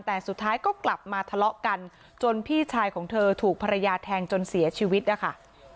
แต่สุดท้ายก็กลับมาทะเลาะกันจนพี่ชายของเธอถูกภรรยาแทงจนเสียชีวิตนะคะ